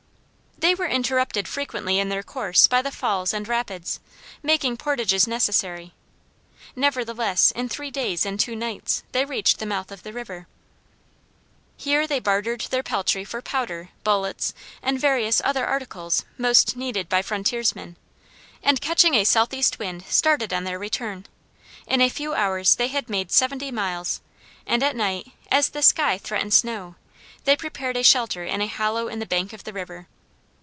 They were interrupted frequently in their course by the falls and rapids, making portages necessary; nevertheless in three days and two nights they reached the mouth of the river. Here they bartered their peltry for powder, bullets, and various other articles most needed by frontiersmen, and catching a southeast wind started on their return. In a few hours they had made seventy miles, and at night, as the sky threatened snow, they prepared a shelter in a hollow in the bank of the river.